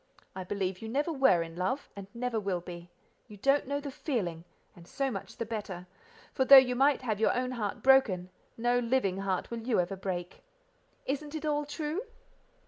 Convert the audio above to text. I believe you never were in love, and never will be: you don't know the feeling, and so much the better, for though you might have your own heart broken, no living heart will you ever break. Isn't it all true?"